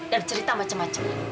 dan cerita macam macam